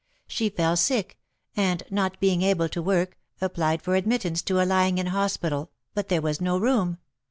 She fell sick, and, not being able to work, applied for admittance to a lying in hospital, but there was no room.